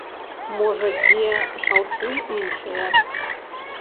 Можа, дзе шаўцы іншыя.